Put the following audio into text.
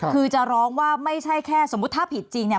คือจะร้องว่าไม่ใช่แค่สมมุติถ้าผิดจริงเนี่ย